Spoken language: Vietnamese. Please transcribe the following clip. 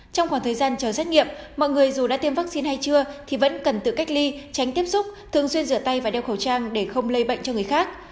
trong khoảng thời gian chờ xét nghiệm mọi người dù đã tiêm vaccine hay chưa thì vẫn cần tự cách ly tránh tiếp xúc thường xuyên rửa tay và đeo khẩu trang để không lây bệnh cho người khác